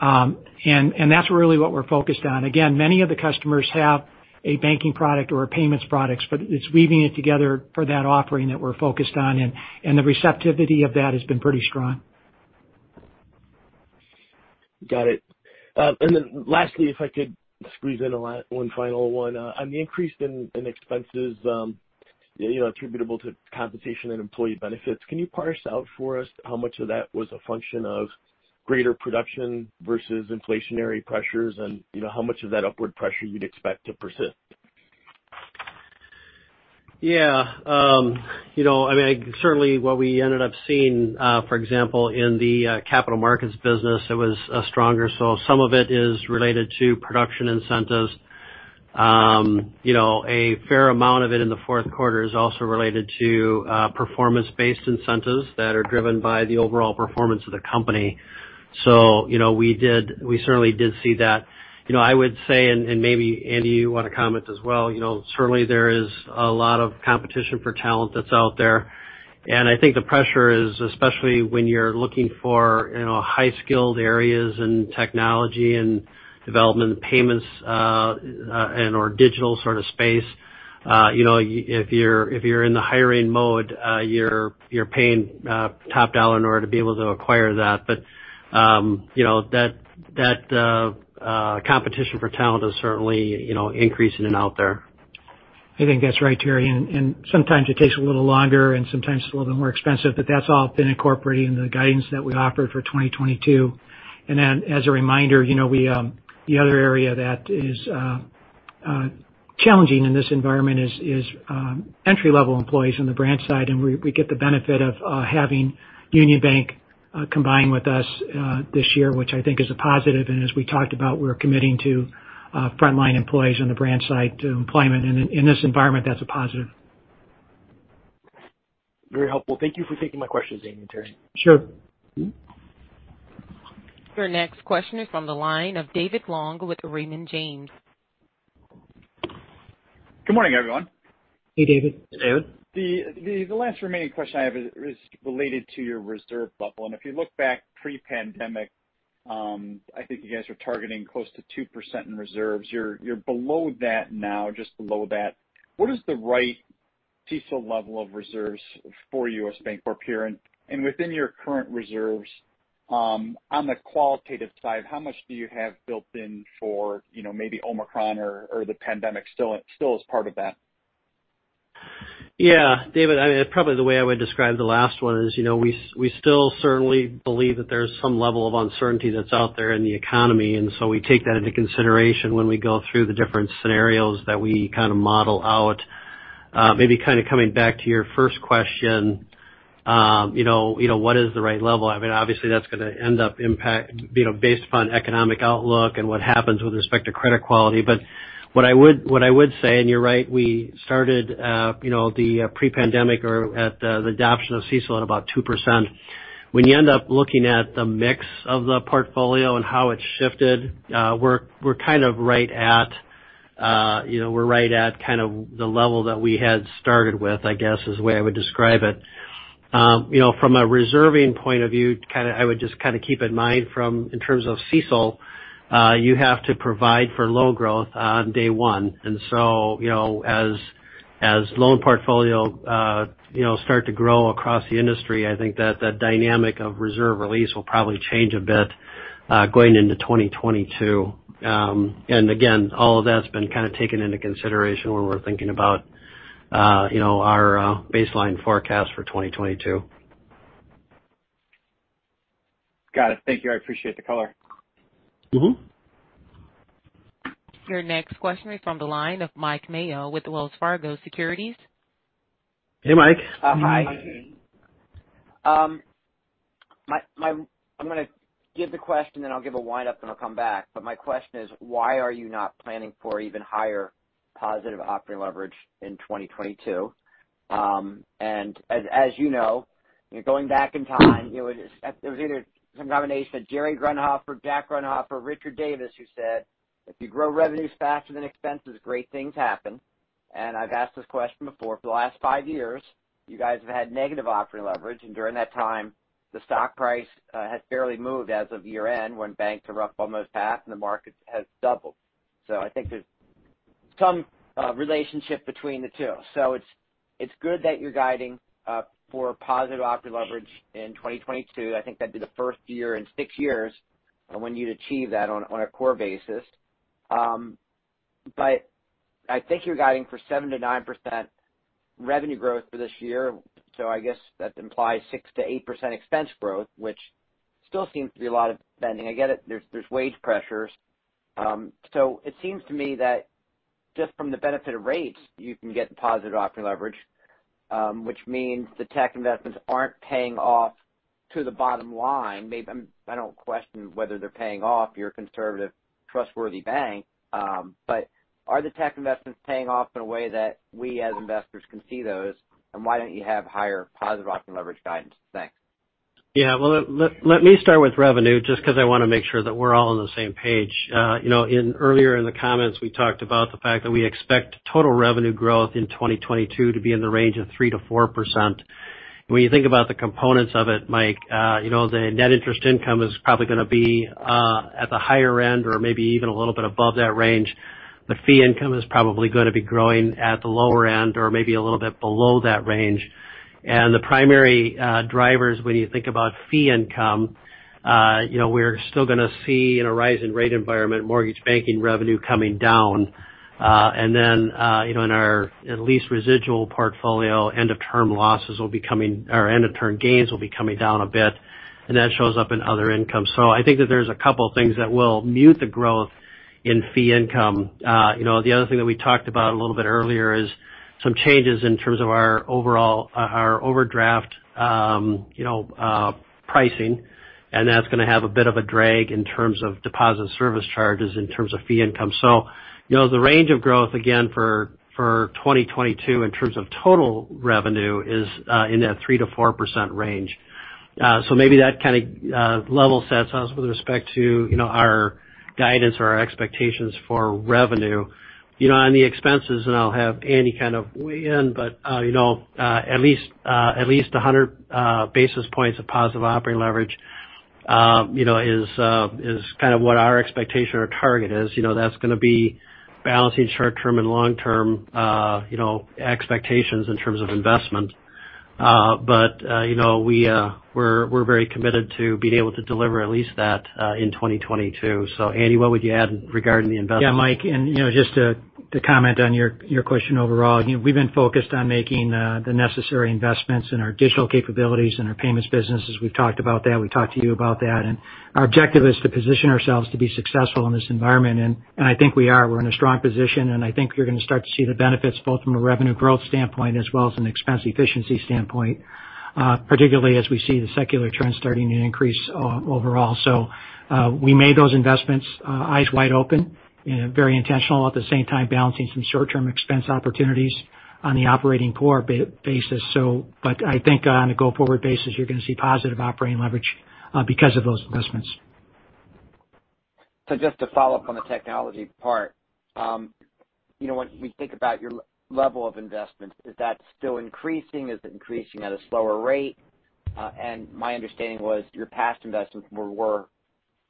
Speaker 3: That's really what we're focused on. Again, many of the customers have a banking product or a payments products, but it's weaving it together for that offering that we're focused on. The receptivity of that has been pretty strong.
Speaker 11: Got it. Lastly, if I could squeeze in one final one. On the increase in expenses, you know, attributable to compensation and employee benefits, can you parse out for us how much of that was a function of greater production versus inflationary pressures? You know, how much of that upward pressure you'd expect to persist?
Speaker 4: Yeah. You know, I mean, certainly what we ended up seeing, for example, in the capital markets business, it was stronger. Some of it is related to production incentives. You know, a fair amount of it in the fourth quarter is also related to performance-based incentives that are driven by the overall performance of the company. You know, we certainly did see that. You know, I would say, and maybe Andy, you want to comment as well, you know, certainly there is a lot of competition for talent that's out there. I think the pressure is, especially when you're looking for, you know, high-skilled areas in technology and development and payments, and/or digital sorta space, you know, if you're in the hiring mode, you're paying top dollar in order to be able to acquire that. You know, that competition for talent is certainly, you know, increasing and out there.
Speaker 3: I think that's right, Terry. Sometimes it takes a little longer and sometimes it's a little bit more expensive, but that's all been incorporated into the guidance that we offered for 2022. Then as a reminder, you know, we the other area that is challenging in this environment is entry-level employees on the branch side. We get the benefit of having Union Bank combine with us this year, which I think is a positive. As we talked about, we're committing to frontline employees on the branch side to employment. In this environment, that's a positive.
Speaker 11: Very helpful. Thank you for taking my questions, Andy and Terry.
Speaker 3: Sure.
Speaker 4: Mm-hmm.
Speaker 1: Your next question is from the line of David Long with Raymond James.
Speaker 12: Good morning, everyone.
Speaker 3: Hey, David.
Speaker 4: David.
Speaker 12: The last remaining question I have is related to your reserve level. If you look back pre-pandemic, I think you guys are targeting close to 2% in reserves. You're below that now, just below that. What is the right CECL level of reserves for U.S. Bancorp here? Within your current reserves, on the qualitative side, how much do you have built in for you know, maybe Omicron or the pandemic still as part of that?
Speaker 4: Yeah. David, I mean, probably the way I would describe the last one is, you know, we still certainly believe that there's some level of uncertainty that's out there in the economy. We take that into consideration when we go through the different scenarios that we kind of model out. Maybe kind of coming back to your first question, you know, what is the right level? I mean, obviously that's gonna end up impacting, you know, based upon economic outlook and what happens with respect to credit quality. What I would say, and you're right, we started, you know, the pre-pandemic or at the adoption of CECL at about 2%. When you end up looking at the mix of the portfolio and how it's shifted, we're kind of right at, you know, we're right at kind of the level that we had started with, I guess, is the way I would describe it. You know, from a reserving point of view, I would just kind of keep in mind from, in terms of CECL, you have to provide for low growth on day one. You know, as loan portfolio start to grow across the industry, I think that dynamic of reserve release will probably change a bit, going into 2022. Again, all of that's been kind of taken into consideration when we're thinking about, you know, our baseline forecast for 2022.
Speaker 12: Got it. Thank you. I appreciate the color.
Speaker 4: Mm-hmm.
Speaker 1: Your next question is from the line of Mike Mayo with Wells Fargo Securities.
Speaker 4: Hey, Mike.
Speaker 13: Hi. I'm gonna give the question, then I'll give a wind-up, then I'll come back. My question is, why are you not planning for even higher positive operating leverage in 2022? And as you know, going back in time, it was either some combination of Jerry Grundhofer, Jack Grundhofer, Richard Davis, who said, if you grow revenues faster than expenses, great things happen. I've asked this question before. For the last five years, you guys have had negative operating leverage, and during that time, the stock price has barely moved as of year-end when banks are up almost 50% and the market has doubled. I think there's some relationship between the two. It's good that you're guiding for positive operating leverage in 2022. I think that'd be the first year in six years when you'd achieve that on a core basis. I think you're guiding for 7%-9% revenue growth for this year, so I guess that implies 6%-8% expense growth, which still seems to be a lot of spending. I get it, there's wage pressures. It seems to me that just from the benefit of rates, you can get positive operating leverage, which means the tech investments aren't paying off to the bottom line. I don't question whether they're paying off, you're a conservative, trustworthy bank. Are the tech investments paying off in a way that we as investors can see those, and why don't you have higher positive operating leverage guidance? Thanks.
Speaker 4: Yeah. Well, let me start with revenue just 'cause I wanna make sure that we're all on the same page. You know, in earlier comments, we talked about the fact that we expect total revenue growth in 2022 to be in the range of 3%-4%. When you think about the components of it, Mike, you know, the net interest income is probably gonna be at the higher end or maybe even a little bit above that range. The fee income is probably gonna be growing at the lower end or maybe a little bit below that range. The primary drivers when you think about fee income, you know, we're still gonna see in a rising rate environment mortgage banking revenue coming down. Then, you know, in our lease residual portfolio, end of term gains will be coming down a bit, and that shows up in other income. I think that there's a couple things that will mute the growth in fee income. You know, the other thing that we talked about a little bit earlier is some changes in terms of our overall, our overdraft, pricing, and that's gonna have a bit of a drag in terms of deposit service charges in terms of fee income. You know, the range of growth, again, for 2022 in terms of total revenue is in that 3%-4% range. Maybe that kinda level sets us with respect to, you know, our guidance or our expectations for revenue. You know, on the expenses, and I'll have Andy kind of weigh in, but you know, at least 100 basis points of positive operating leverage is kind of what our expectation or target is. You know, that's gonna be balancing short-term and long-term expectations in terms of investment. You know, we're very committed to being able to deliver at least that in 2022. Andy, what would you add regarding the investment?
Speaker 3: Yeah, Mike, you know, just to comment on your question overall, you know, we've been focused on making the necessary investments in our digital capabilities and our payments business, as we've talked about that, we talked to you about that. Our objective is to position ourselves to be successful in this environment, and I think we are. We're in a strong position, and I think you're gonna start to see the benefits both from a revenue growth standpoint as well as an expense efficiency standpoint, particularly as we see the secular trends starting to increase overall. We made those investments eyes wide open and very intentional, at the same time balancing some short-term expense opportunities on the operating core basis. I think on a go-forward basis, you're gonna see positive operating leverage because of those investments.
Speaker 13: Just to follow up on the technology part. You know, when we think about your level of investments, is that still increasing? Is it increasing at a slower rate? And my understanding was your past investments were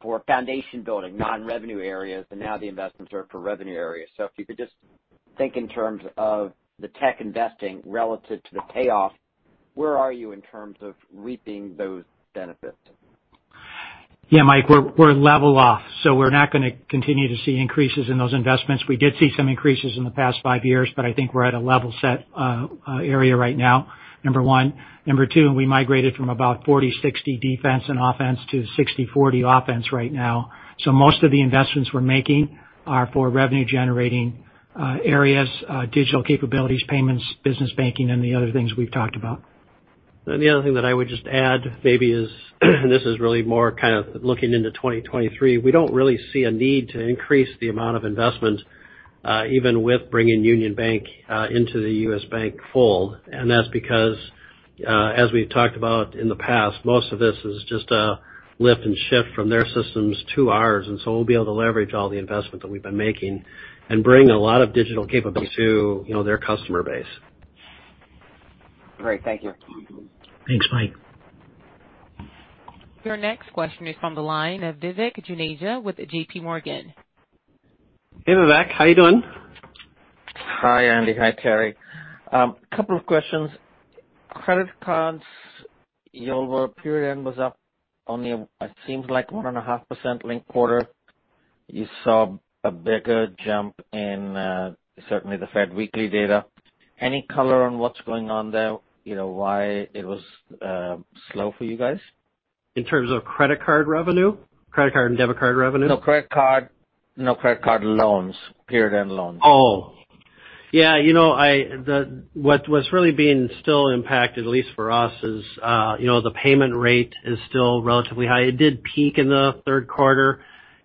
Speaker 13: for foundation building, non-revenue areas, and now the investments are for revenue areas. So if you could just think in terms of the tech investing relative to the payoff, where are you in terms of reaping those benefits?
Speaker 3: Yeah, Mike, we're leveling off, so we're not gonna continue to see increases in those investments. We did see some increases in the past five years, but I think we're at a level set area right now, number one. Number two, we migrated from about 40%-60% defense and offense to 60%-40% offense right now. Most of the investments we're making are for revenue-generating areas, digital capabilities, payments, business banking, and the other things we've talked about.
Speaker 4: The other thing that I would just add maybe is, and this is really more kind of looking into 2023, we don't really see a need to increase the amount of investment, even with bringing Union Bank into the U.S. Bank fold. That's because, as we've talked about in the past, most of this is just a lift and shift from their systems to ours, and so we'll be able to leverage all the investment that we've been making and bring a lot of digital capability to, you know, their customer base.
Speaker 13: Great. Thank you.
Speaker 3: Thanks, Mike.
Speaker 1: Your next question is from the line of Vivek Juneja with JPMorgan.
Speaker 3: Hey, Vivek. How you doing?
Speaker 14: Hi, Andy. Hi, Terry. Couple of questions. Credit cards, your period-end was up only, it seems like 1.5% linked-quarter. You saw a bigger jump in certainly the Fed weekly data. Any color on what's going on there? You know, why it was slow for you guys?
Speaker 4: In terms of credit card revenue? Credit card and debit card revenue?
Speaker 14: No, credit card loans. Period-end loans.
Speaker 4: Yeah, you know, what's really being still impacted, at least for us, is, you know, the payment rate is still relatively high. It did peak in the third quarter.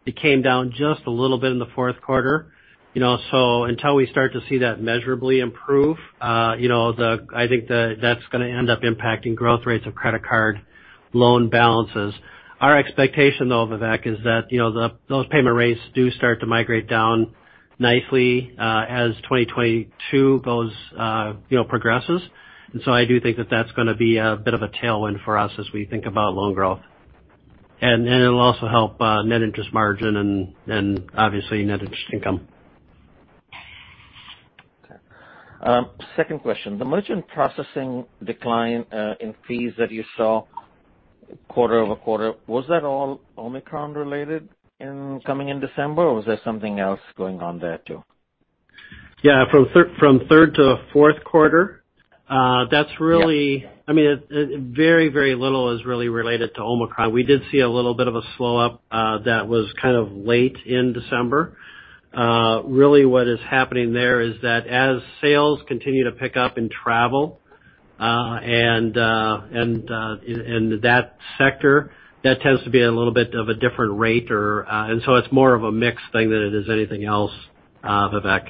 Speaker 4: It came down just a little bit in the fourth quarter. You know, so until we start to see that measurably improve, you know, I think that's gonna end up impacting growth rates of credit card loan balances. Our expectation, though, Vivek, is that, you know, those payment rates do start to migrate down nicely, as 2022 progresses. It'll also help net interest margin and obviously net interest income.
Speaker 14: Okay. Second question. The merchant processing decline in fees that you saw quarter-over-quarter, was that all Omicron-related incoming in December, or was there something else going on there too?
Speaker 4: Yeah. From third to fourth quarter, that's really-
Speaker 14: Yeah.
Speaker 4: I mean, very, very little is really related to Omicron. We did see a little bit of a slow-up that was kind of late in December. Really what is happening there is that as sales continue to pick up in travel and in that sector, that tends to be a little bit of a different rate or, and so it's more of a mix thing than it is anything else, Vivek.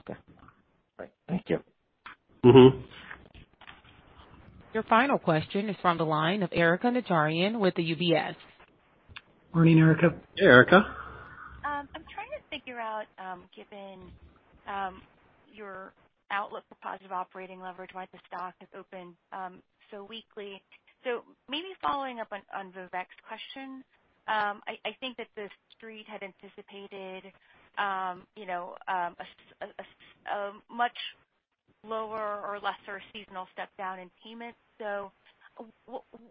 Speaker 14: Okay. All right. Thank you.
Speaker 4: Mm-hmm.
Speaker 1: Your final question is from the line of Erika Najarian with the UBS.
Speaker 3: Morning, Erika.
Speaker 4: Hey, Erika.
Speaker 15: I'm trying to figure out, given your outlook for positive operating leverage, why the stock has opened so weakly. Maybe following up on Vivek's question, I think that the Street had anticipated, you know, a much lower or lesser seasonal step down in payments.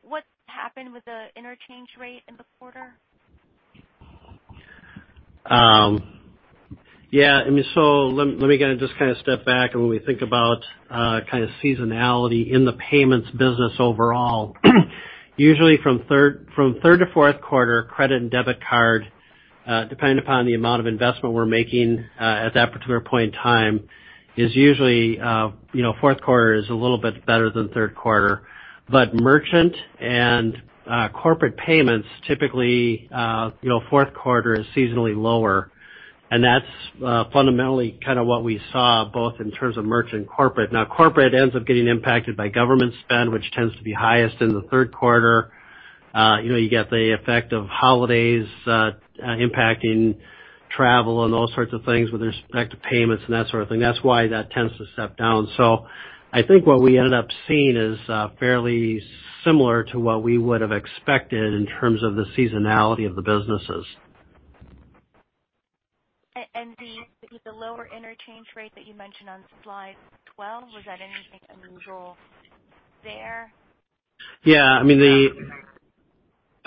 Speaker 15: What happened with the interchange rate in the quarter?
Speaker 4: Yeah. I mean, let me kind of just kind of step back and when we think about kind of seasonality in the payments business overall, usually from third to fourth quarter credit and debit card depending upon the amount of investment we're making at that particular point in time is usually you know fourth quarter is a little bit better than third quarter. Merchant and corporate payments typically you know fourth quarter is seasonally lower and that's fundamentally kind of what we saw both in terms of merchant and corporate. Now corporate ends up getting impacted by government spend, which tends to be highest in the third quarter. You know, you get the effect of holidays impacting travel and all sorts of things with respect to payments and that sort of thing. That's why that tends to step down. I think what we ended up seeing is fairly similar to what we would have expected in terms of the seasonality of the businesses.
Speaker 15: The lower interchange rate that you mentioned on slide 12, was that anything unusual there?
Speaker 4: Yeah. I mean,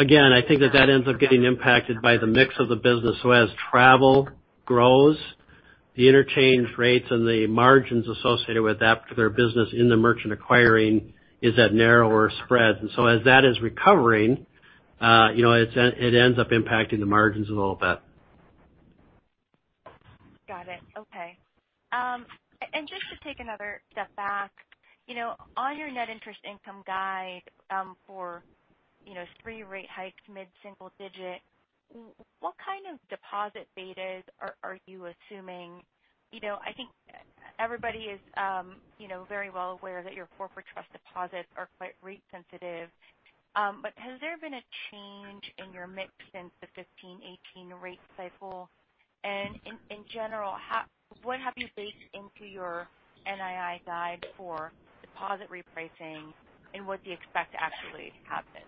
Speaker 4: Again, I think that ends up getting impacted by the mix of the business. As travel grows, the interchange rates and the margins associated with that particular business in the merchant acquiring is that narrower spread. As that is recovering, you know, it ends up impacting the margins a little bit.
Speaker 15: Got it. Okay. Just to take another step back, on your net interest income guide, for three rate hikes, mid-single digit, what kind of deposit betas are you assuming? I think everybody is very well aware that your corporate trust deposits are quite rate sensitive. Has there been a change in your mix since the 15-18 rate cycle? In general, what have you baked into your NII guide for deposit repricing and what do you expect to actually happen?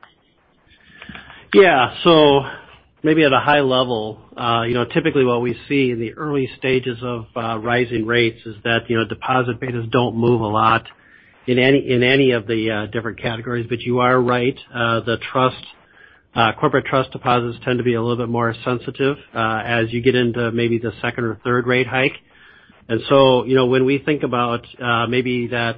Speaker 4: Yeah. Maybe at a high level, you know, typically what we see in the early stages of rising rates is that, you know, deposit betas don't move a lot in any of the different categories. You are right, the trust corporate trust deposits tend to be a little bit more sensitive, as you get into maybe the second or third rate hike. You know, when we think about maybe that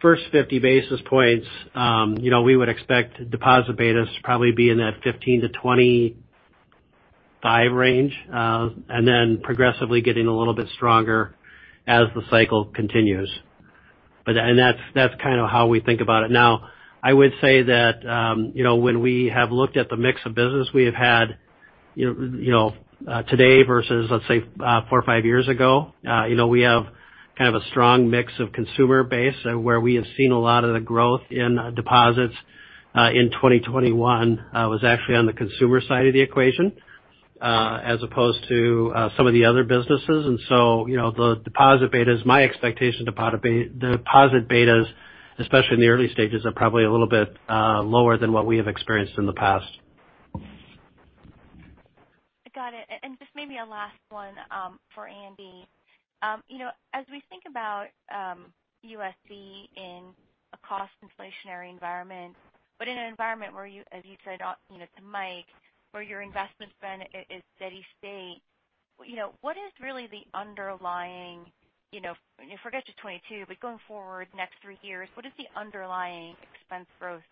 Speaker 4: first 50 basis points, you know, we would expect deposit betas to probably be in that 15-25 range, and then progressively getting a little bit stronger as the cycle continues. That's kind of how we think about it. Now, I would say that, you know, when we have looked at the mix of business we have had, you know, today versus, let's say, four or five years ago, you know, we have kind of a strong mix of consumer base where we have seen a lot of the growth in deposits in 2021 was actually on the consumer side of the equation, as opposed to some of the other businesses. You know, the deposit betas, my expectation deposit betas, especially in the early stages, are probably a little bit lower than what we have experienced in the past.
Speaker 15: Got it. Just maybe a last one for Andy. You know, as we think about us in a cost inflationary environment, but in an environment where you, as you said, you know, to Mike, where your investment spend is steady state, you know, what is really the underlying expense growth of this company. Forget just 2022, but going forward next three years, what is the underlying expense growth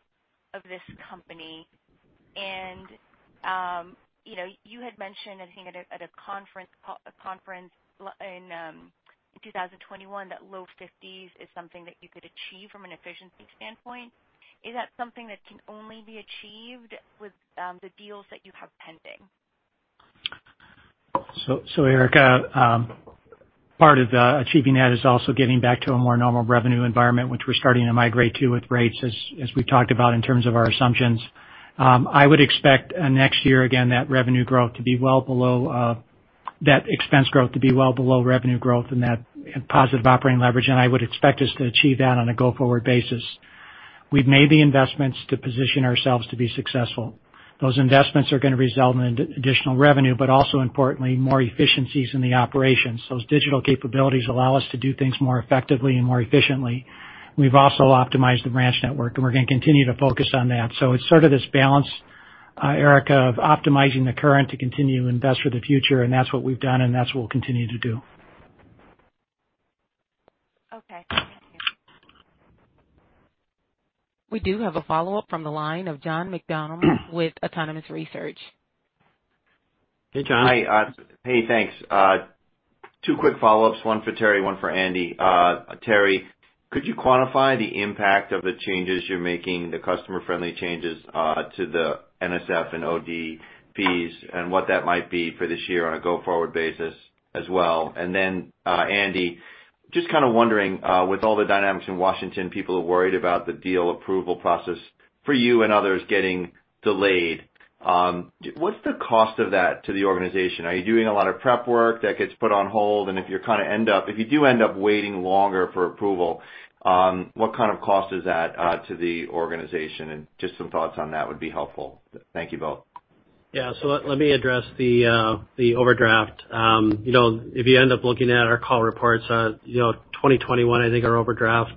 Speaker 15: of this company. You know, you had mentioned, I think at a conference call in 2021, that low 50s is something that you could achieve from an efficiency standpoint. Is that something that can only be achieved with the deals that you have pending.
Speaker 3: Erika, part of achieving that is also getting back to a more normal revenue environment, which we're starting to migrate to with rates as we talked about in terms of our assumptions. I would expect next year again, that revenue growth to be well below that expense growth to be well below revenue growth and that positive operating leverage. I would expect us to achieve that on a go-forward basis. We've made the investments to position ourselves to be successful. Those investments are gonna result in additional revenue, but also importantly, more efficiencies in the operations. Those digital capabilities allow us to do things more effectively and more efficiently. We've also optimized the branch network, and we're gonna continue to focus on that. It's sort of this balance, Erika, of optimizing the current to continue to invest for the future, and that's what we've done and that's what we'll continue to do.
Speaker 15: Okay. Thank you.
Speaker 1: We do have a follow-up from the line of John McDonald with Autonomous Research.
Speaker 4: Hey, John.
Speaker 7: Hi. Hey, thanks. Two quick follow-ups, one for Terry, one for Andy. Terry, could you quantify the impact of the changes you're making, the customer-friendly changes, to the NSF and OD fees and what that might be for this year on a go-forward basis as well? Andy, just kind of wondering, with all the dynamics in Washington, people are worried about the deal approval process for you and others getting delayed. What's the cost of that to the organization? Are you doing a lot of prep work that gets put on hold? If you do end up waiting longer for approval, what kind of cost is that to the organization? Just some thoughts on that would be helpful. Thank you both.
Speaker 4: Let me address the overdraft. You know, if you end up looking at our call reports, you know, 2021, I think our overdraft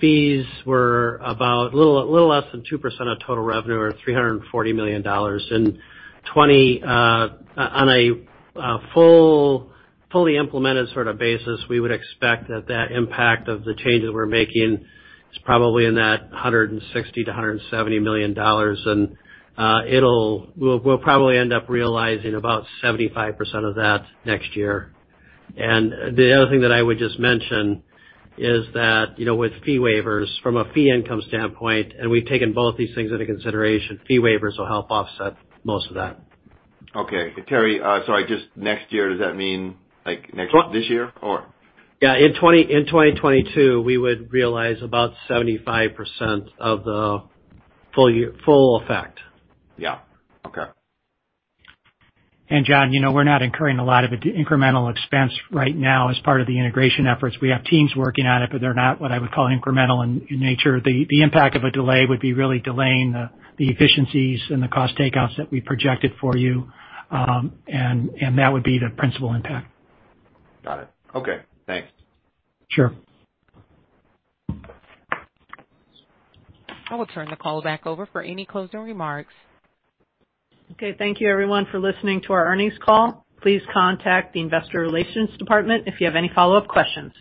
Speaker 4: fees were about a little less than 2% of total revenue or $340 million. On a fully implemented sort of basis, we would expect that impact of the changes we're making is probably in that $160 million-$170 million. We'll probably end up realizing about 75% of that next year. The other thing that I would just mention is that, you know, with fee waivers from a fee income standpoint, and we've taken both these things into consideration, fee waivers will help offset most of that.
Speaker 7: Okay. Terry, sorry, just next year, does that mean, like, next this year or?
Speaker 4: Yeah. In 2022, we would realize about 75% of the full year, full effect.
Speaker 7: Yeah. Okay.
Speaker 3: John, you know, we're not incurring a lot of incremental expense right now as part of the integration efforts. We have teams working on it, but they're not what I would call incremental in nature. The impact of a delay would be really delaying the efficiencies and the cost takeouts that we projected for you. That would be the principal impact.
Speaker 7: Got it. Okay. Thanks.
Speaker 3: Sure.
Speaker 1: I will turn the call back over for any closing remarks.
Speaker 2: Okay, thank you everyone for listening to our earnings call. Please contact the Investor Relations department if you have any follow-up questions.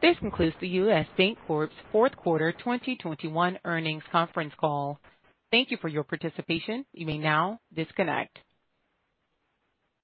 Speaker 1: This concludes the U.S. Bancorp's fourth quarter 2021 earnings conference call. Thank you for your participation. You may now disconnect.